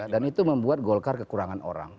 dan itu membuat golkar kekurangan orang